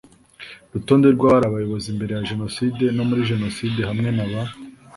rutonde rw abari abayobozi mbere ya jenoside no muri jenoside hamwe na ba